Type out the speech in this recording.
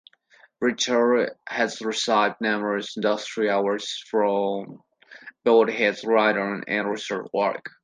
Richard has received numerous industry awards for both his writings and research work.